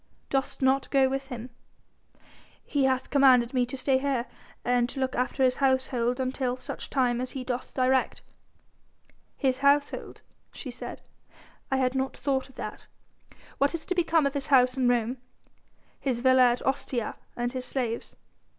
"Dost not go with him?" "He hath commanded me to stay here and to look after his household until such time as he doth direct." "His household?" she said. "I had not thought of that. What is to become of his house in Rome, his villa at Ostia and his slaves?"